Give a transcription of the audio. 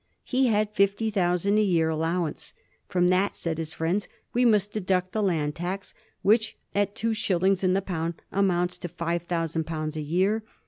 He had fifty thousand a year al lowance. From that, said his friends, we must deduct the land tax, which at two shillings in the pound amounts to £5000 a year.